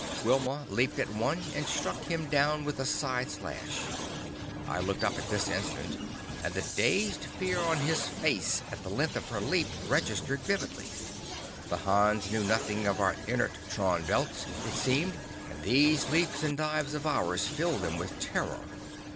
Wilma leaped at one and struck him down with a side slash. I looked up at this instant, and the dazed fear on his face at the length of her leap registered vividly. The Hans knew nothing of our inertron belts, it seemed, and these leaps and dives of ours filled them with terror.